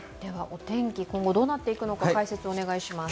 お天気、今後どうなっていくのか解説をお願いします。